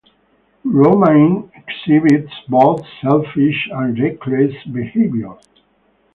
Romain exhibits both selfish and reckless behavior.